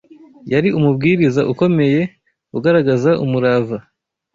Yari umubwiriza ukomeye, ugaragaza umurava